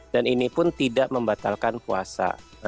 dan ini pun tidak membatalkan puasa